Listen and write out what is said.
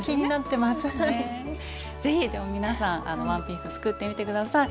是非皆さんワンピース作ってみて下さい。